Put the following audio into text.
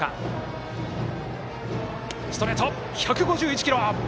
ストレート１５１キロ！